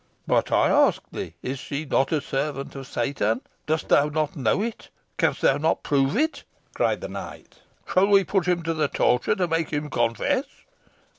"But I ask thee is she not a servant of Satan? dost thou not know it? canst thou not prove it?" cried the knight. "Shall we put him to the torture to make him confess?"